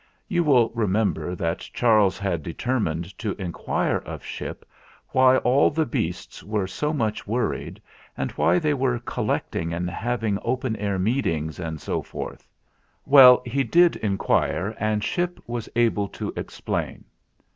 You will remember that Charles had deter mined to inquire of Ship why all the beasts were so much worried and why they were col lecting and having open air meetings and so forth. Well, he did inquire, and Ship was able to explain.